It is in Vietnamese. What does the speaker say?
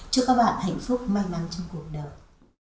chúc các bạn hạnh phúc may mắn trong cuộc đời